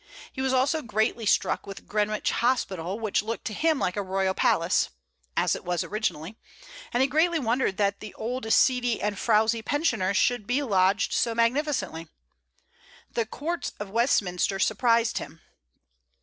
He was also greatly struck with Greenwich Hospital, which looked to him like a royal palace (as it was originally), and he greatly wondered that the old seedy and frowsy pensioners should be lodged so magnificently. The courts of Westminster surprised him.